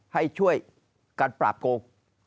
ให้ช่วยกันปราบโกง